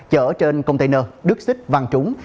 chở trên container đứt xích vàng trúng